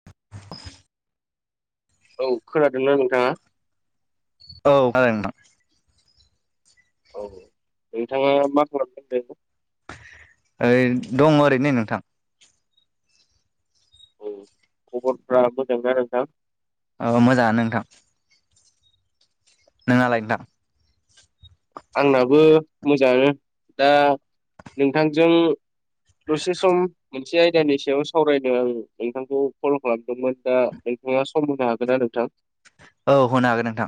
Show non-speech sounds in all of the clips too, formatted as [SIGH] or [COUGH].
[INAUDIBLE] औ खोनादोंना नोंथाङा? औ खोनादों नोंथां। औ नोंथाङा मा [UNINTELLIGIBLE] ओ दङ ओरैनो नोंथां। औ खबरफ्रा मोजां ना नोंथां? औ मोजाङानो नोंथां। नोङालाय नोंथां? आंनाबो मोजाङानो दा नोंथांजों दसे सम मोनसे आयदानि सायाव सावरायनो आं नोंथांखौ कल खालामदोंमोन दा नोंथाङा सम होनो हागोनना नोंथां? औ होनो हागोन नोंथां।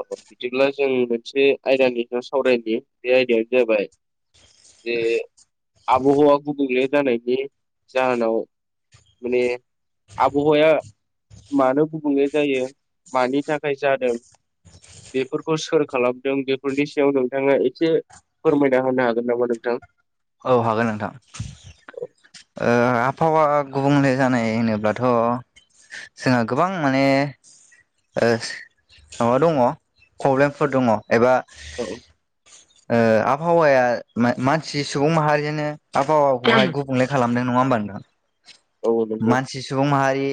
औ बिदिब्ला जों मोनसे आयदानि सायाव सावरायनि बे आयदायानो जाबाय जे आबहावा गुबुंले जानायनि जाहोनाव माने आबहावाया मानो गुबुंले जायो मानि थाखाय जादों बेफोरखौ सोर खालामदों बेफोरनि सायाव नोंथाङा एसे फोरमायना होनो हागोन नामा नोंथां? औ हागोन नोंथां। ओ आबहावा गुबुंले जानाय होनोब्लाथ' जोङा गोबां माने ओ माबा दङ प्रब्लेमफोर दङ एबा औ। ओ आबहावाया मा-मानसि सुबुं माहारिनो आबहावाखौहाय गुब बुंले खालामदों नङा होमबा नोंथां? औ नंगौ मानसि सुबुं माहारि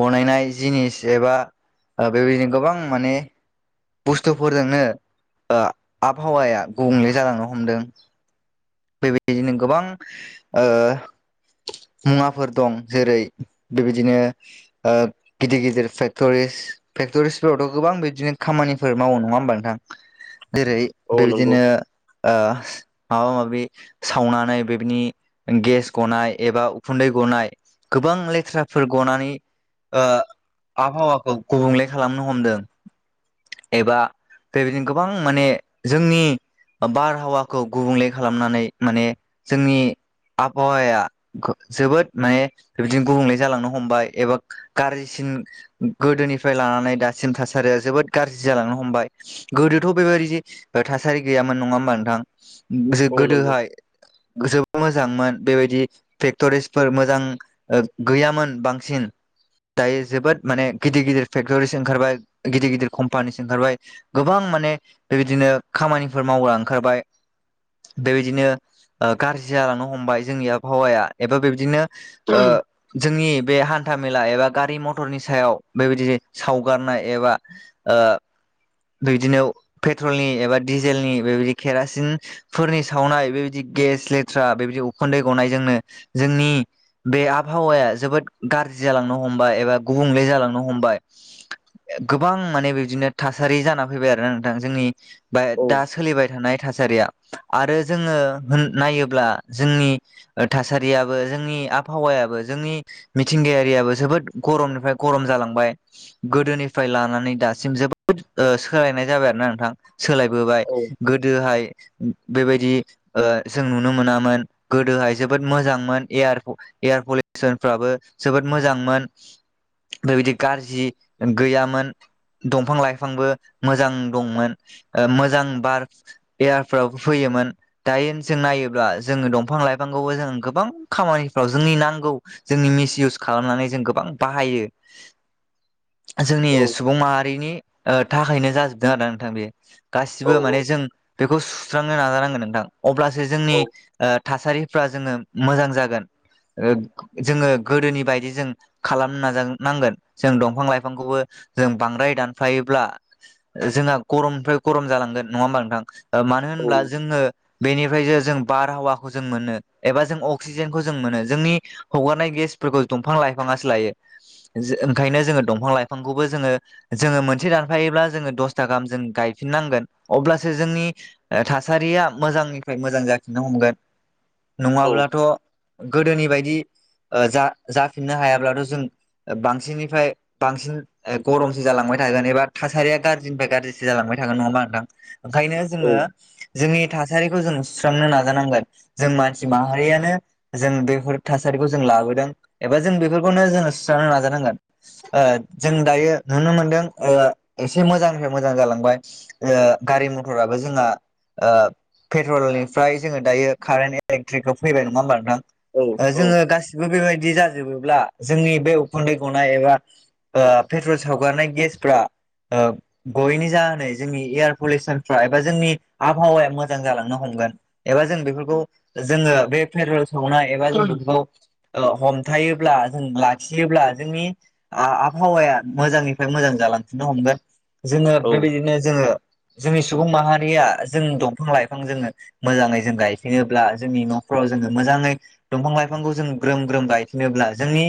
बनायनाय जिनिस एबा बेबायदिनो गोबां माने बुस्थुफोरजोंनो ओ आबहावाया गुबुंले जालांनो हमदों। बेबायदिनो गोबां ओ मुवाफोर दं जेरै बेबायदिनो ओ गिदिर गिदिर फेक्टरिस फेक्ट'रिसफोरावथ' गोबां बिदिनो खामानिफोर मावो नङा होमबा नोंथां? जेरै औ नंगौ बेबायदिनो ओ माबा माबि सावनानै बेनि गेस गनाय एबा उखुन्दै गनाय गोबां लेथ्राफोर गनानै ओ आबहावाखौ गुबुंले खालामनो हमदों एबा बेबायदिनो गोबां माने जोंनि बारहावाखौ गुबुंले खालामनानै माने जोंनि आबहावाया जोबोद माने बिदिनो गुबुंले जालांनो हमबाय एबा गाज्रिसिन गोदोनिफ्राय लानानै दासिम थासारिया जोबोद गाज्रि जालांनो हमबाय। गोदोथ' बेबायदि थासारि गैयामोन नङा होमबा नोंथां? जे औ नंगौ गोदोहाय जोबोद मोजांमोन बेबायदि फेक्ट'रिसफोर मोजां ओ गैयामोन बांसिन दायो जोबोद माने गिदिर गिदिर फेक्टरिस ओंखारबाय गिदिर गिदिर कम्पानिस ओंखारबाय गोबां माने बेबायदिनो खामानिफोर मावग्रा ओंखारबाय बेबायदिनो ओ गाज्रि जालांनो हमबाय जोंनि आबहावाया एबा बेबायदिनो ओ जोंनि बे हान्था मेला एबा गारि मथरनि सायाव बेबायदि सावगारनाय एबा ओ बिदिनो पेट्रलनि एबा डिजेलनि बेबायदि केरासिन फोरनि सावनाय बेबायदि गेस लेथ्रा बेबायदि उखुन्दै गनायजोंनो जोंनि बे आबहावाया जोबोद गाज्रि जालांनो हमबाय एबा गुबुंले जालांनो हमबाय। गोबां माने बिदिनो थासारि जाना फैबाय आरो नोंथां जोंनि बा औ दा सोलिबाय थानाय थासारिया आरो जोङो नायोब्ला जोंनि थासारियाबो जोंनि आबहावायाबो जोंनि मिथिंगायारियाबो जोबोद गरमनिफ्राय गरम जालांबाय। गोदोनिफ्राय लानानै दासिम ओ जोबोद सोलायनाय जाबाय आरो ना नोंथां। सोलायबोबाय औ गोदोहाय बेबायदि जों नुनो मोनामोन गोदोहाय जोबोद मोजांमोन एयार एयार पलिउसन फ्राबो जोबोद मोजांमोन। बेबायदि गाज्रि गैयामोन। दंफां लाइफांबो मोजां दंमोन ओ मोजां बार। एयारपर्टआवबो फैयोमोन। दायो जों नायोब्ला जोङो दंफां लाइफांखौबो जों गोबां खामानि जोंनि नांगौ जोंनि मिस इउस खालामनानै जों गोबां बाहायो। जोंनि औ सुबुं माहारिनि थाखायनो जाजोबदों आरो नोंथां बे। गासिबो माने जों बेखौ सुस्रांनो नाजानांगोन नोंथां अब्लासो औ जोंनि थासारिफ्रा जोङो मोजां जागोन जोङो गोदोनि बायदि जों खालामनो नाजा नांगोन जों दंफां लाइफांखौबो जों बांद्राय दानफायोब्ला जोंहा गरमनिफ्राय गरम जालांगोन नङा होमबा नोंथां। मानो औ होनब्ला नंगौ जोङो बेनिफ्राय जे जों बारहावाखौ जों मोनो एबा जों अक्सिजेन जों मोनो जोंनि हगारनाय गेसफोरखौ दंफां लाइफाङासो लायो। ओंखायनो जोङो दंफां लाइफांखौबो जोङो जोङो मोनसे दानफायोब्ला जोङो दसथा गाहाम जों गायफिननांगोन अब्लासो जोंनि थासारिया मोजांनिफ्राय मोजां जााखिनो हमगोन औ नङाब्लाथ' गोदोनि बायदि जा जाफिननो हायाब्लाथ' जों बांसिननिफ्राय बांसिन गरमसो जालांबाय थागोन एबा थासारिया गाज्रिनिफ्राय गाज्रिसो जालांबाय थागोन नङा होनबा नोंथां? ओंखायनो औ जोङो जोंनि थासारिखौ जों सुस्रांनो नाजानांगोन जों मानसि माहारियानो जों बेफोर थासारिखौ जों लाबोदों एबा जों बेफोरखौनो जोङो सुस्रांनो नाजानांगोन। ओ जों दायो नुनो मोनदों एसे मोजांनिफ्राय मोजां जालांबाय। ओ गारि मथराबो जोंहा ओ पेट्रलनिफ्राय जोङो दायो कारेन्ट इलेक्ट्रिकखौ फैबाय नङा होमबा नोंथां। औ औ जोङो गासिबो बेबायदि जाजोबोब्ला जोंनि बे उखुन्दै गनाय एबा ओ पेट्रल सावगारनाय गेसफ्रा गयनि जाहोनै जोंनि एयार पलिउसनफ्रा एबा जोंनि आबहावाया मोजां जालांनो हमगोन। एबा जों बेफोरखौ जोङो बे पेट्रल सावनाय एबा जों बेफोरखौ हमथायोबब्ला जों लाखियोब्ला जोंनि आबहावाया मोजांनिफ्राय मोजां जालांफिननो हमगोन जोङो औ बेबायदिनो जोङो जोंनि सुबुं माहारिया जों दंफां लाइफां जोङो मोजाङै जों गायफिङोब्ला जोंनि न'खराव जोङो मोजाङै दंफां लाइफांखौ जों ग्रोम ग्रोम गायफिनोब्ला जोंनि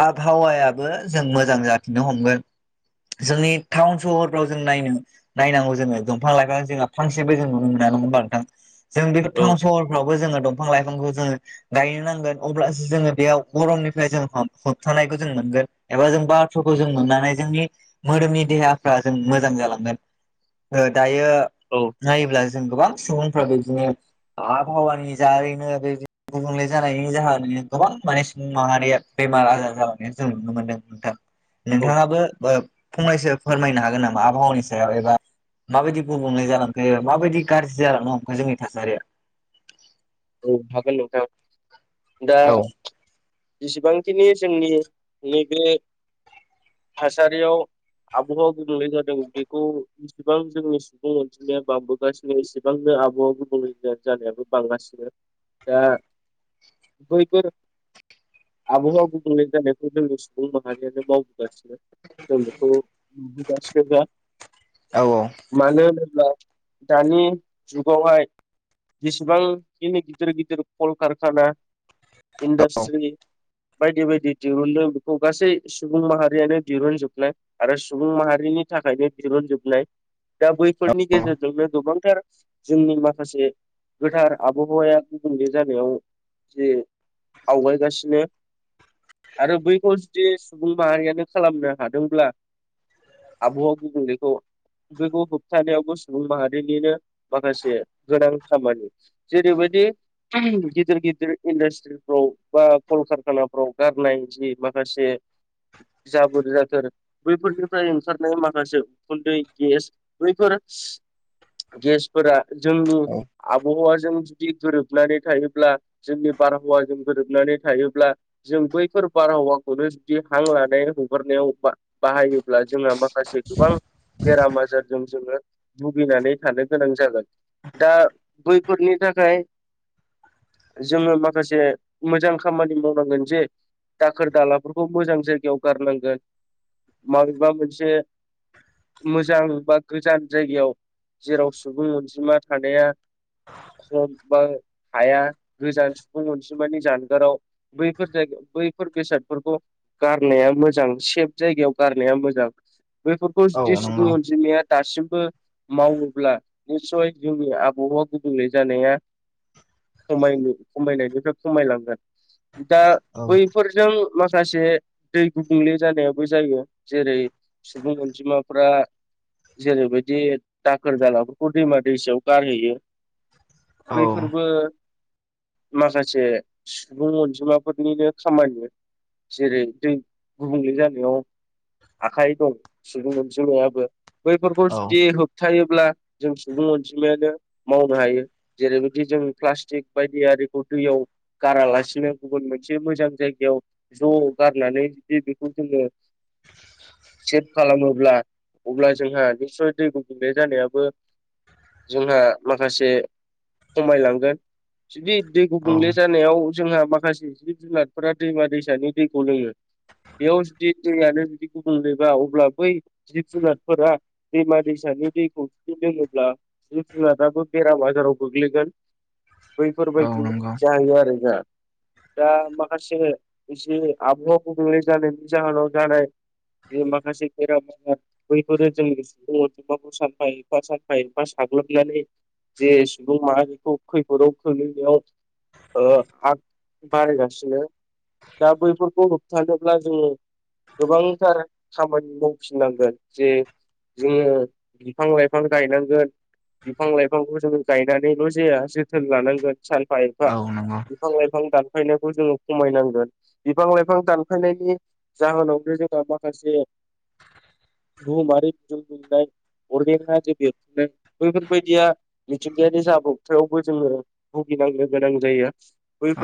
आबहावायाबो जों मोजां जाफिननो हमगोन जोंनि टाउन सहरफ्राव जों नायनो नायनांगौ जोङो दफां लाइफां जोंहा फांसेबो जों नुनो मोना नङा होमबा नोंथां जों बेफोर टाउन सहरफ्रावबो जोङो दंफां लाइफांखौ जोङो गायनो नांगोन अब्लासो जोङो बेयाव गरमनिफ्राय जों होबथानायखौ जों मोनगोन। एबा जों बारफोरखौ जों मोननानै जोंनि मोदोमनि देहाफ्रा जों मोजां जालांगोन। दायो औ। नायोब्ला जों गोबां सुबुंफ्रा बिदिनो आबहावानि जारैनो बे गुबुंले जानायनि जाहोनावनो गोबां माने सुबुं माहारिया बेमार आजार जालांनाय जों नुनो मोनदों नोंथां। [INAUDIBLE] नोंथाङाबो फंनैसो फोरमायनो हागोन नामा आबहावानि सायाव एबा माबायदि गुबुंले जालांखो माबायदि गाज्रि जालांनो हमखो जोंनि थासारिया औ हागोन नोंथां दा औ जेसेबांखिनि जोंनि नैबे थासारियाव आबहावा गुबुंले जादों बेखौ इसेबां जोंनि सुबुं अनजिमाया बांबोगासिनो इसेबांनो आबहावाया गुबुंले जानायाबो बांगासिनो दा बैफोर आबहावा गुबुनले जानायखौ जोंनि सुबुं माहारियानो मावबोगासिनो जों बेखौ नुबोगासिनो दा औ औ मानो होनोब्ला दानि जुगावहाय जेसेबां गिदिर गिदिर कलकारखाना औ इन्डास्ट्रि बायदि बायदि दिहुनदों बेखौ गासै सुबुं माहारियानो दिहुनजोबनाय आरो सुबुं माहारिनि थाखायनो दिहुनजोबनाय दा बैफोरनि गेजेरजोंनो गोबांथार जोंनि माखासे गोथार आबहावाया गुबुंले जानायाव जि आवगायगासिनो आरो बैखौ जुदि सुबुं माहारियानो खालामनो हादोंब्ला आबहा गुबुंलेखौ बेखौ होबथानायावबो सुबुं माहारिनिनो माखासे गोनां खामानि जेरैबायदि गिदिर गिदिर इन्डास्ट्रि फोराव कलकारखानाफ्राव गारनाय जि माखासे जाबोर जाथोर बैफोरनिफ्राय ओंखारनाय माखासे उखुन्दै गेस बैफोर गेसफोरा जोंनि औ आबहावाजों जुदि गोरोबनानै थायोब्ला जोंनि बारहावाजों गोरोबनानै थायोब्ला जों बैफोर बारहावाखौनो जुदि हां लानाय हगारनायावबा बाहायोब्ला जोंहा माखासे गोबां बेराम आजारजों जोङो भुगिनानै थानो गोनां जागोन दा बैफोरनि थाखाय जोङो माखासे मोजां खामानि मावनांगोन जे दाखोर दालाफोरखौ मोजां जायगायाव गारनांगोन माबेबा मोनसे मोजां बा गोजान जायगायाव जेराव सुबुं अनजिमा थानाया खम बा हाया गोजान सुबुं अनसिमानि जानगाराव बैफोर जायगा बैफोर बेसादफोरखौ गारनाया मोजां सेफ जायगायाव गारनाया मोजां बेफोरखौ औ जुदि नंगौ सुबुं अनजिमाया दासिमबो मावोब्ला निसय जोंनि आबहा गुबुनले जानाया ख खमायनायनिफ्राय खमायलांगोन दा औ बै फोरजों माखासे दै गुबुंले जानायाबो जायो जेरै सुबुं अनजिमाफोरा जेरैबायदि दाखोर दालाफोरखौ दैमा दैसायाव गारहैयो। औ बैफोरबो माखासे सुबुं अनजिमाफोरनिनो खामानि जेरै दै गुबुंले जानायाव आखाइ दं सुबुं अनजिमायाबो बैफोरखौ औ जुदि होबथायोब्ला जों सुबुं अनजिमायानो मावनो हायो जेरैबायदि जों प्लास्टिक बायदि आरिखौ दैयाव गारालासिनो गुबुन मोनसे मोजां जायगायाव ज' गारनानै जे बेखौ जोङो सेभ खालामोब्ला अब्ला जोंहा निस्सय दै गुुंबुंले जानायाबो जोंहा माखासे खमायलांगोन। जुदि दै गुंबुंले जानायाव जोंहा माखासे जिब जुनारफोरा दैमा दैसानि दैखौ लोङो। बेयाव जुदि दैयानो जुदि गुबुंलेबा अब्ला बै जिब जुनारफोरा दैमा दैसानि दैखौ जुदि लोङोब्ला जिब जुनार बाबो बेराम आजाराव गोग्लैगोन बैफोरबायदि जायो आरो जोंहा दा माखासे एसे आबहावा गुबुंले जानायनि जाहोनाव जानाय बे माखासे बेराम बैफोरो जोंनि माखौ सानफा एफा सानफा एफा साग्लोबनानै जे सुबुं माहारिखौ खैफोदाव खोलैनायाव ओ आग बारायगासिनो दा बैफोरखौ होबथानोब्ला जोङो गोबांथार खामानि मावफिननांगोन जे जोङो बिफां लाइफां गायनांगोन। बिफां लाइफांखौ जों गायनानैल' जाया जोथोन लानांगोन सानफा एफा औ नंगौ बिफां लाइफां दानफायनायखौ जोङो खमायनांगोन बिफां लाइफां दानफायनायनि जाहोनावनो जोंहा माखासे बुहुमारि बिदुं दुंनाय अरगेन आरि बेरफुंनाय बैफोर बेफोर बायदिया मिथिंगायारि जाब्रबथायावबो जोङो भुगिनांनो गोनां जायो।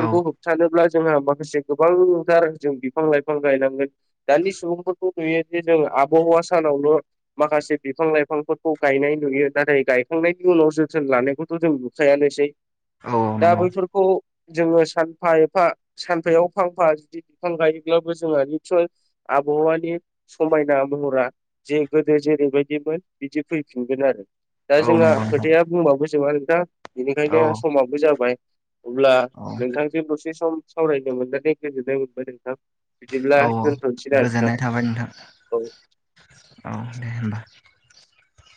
औ होबथानोब्ला जोंहा माखासे गोबांथार जों बिफां लाइफां गायनांगोन। दानि सुबुंफोरखौ नुयो जे जों आबहावा सानावल' माखासे बिफां लाइफांफोरखौ गायनाय नुयो नाथाय गाय थांनायनि उनाव जोथोन लानायखौथ' जों नुखायानोसै औ दा नंगौ बैफोरखौ जोङो सानफा एफा सानफायाव फांफा जुदि बिफां गायोब्लाबो जोङो नेचेल आबहानि समायना महरा जे गोदो जेरैबायदिमोन बिदि फैफिनगोन आरो दा औ जोंहा नंगौ नोंथां खोथाया बुंबाबो जोबा नोंथां औ बेनिखायनो समाबो जाबाय। अब्ला औ नोंथांजों दसे सम सावरायनो मोननायनि गोजोननाय मोनबाय नोंथां बिदिब्ला औ दोनथ'सैद आरो ना गोजोननाय थाबाय नोंथां औ औ दे होमबा